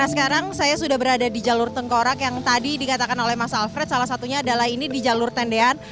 nah sekarang saya sudah berada di jalur tengkorak yang tadi dikatakan oleh mas alfred salah satunya adalah ini di jalur tendean